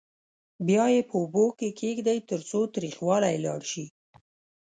بیا یې په اوبو کې کېږدئ ترڅو تریخوالی یې لاړ شي.